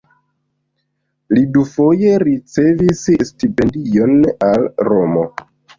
Li dufoje ricevis stipendion al Romo.